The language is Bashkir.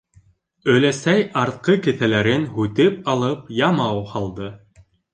Өләсәй артҡы кеҫәләрен һүтеп алып ямау һалды.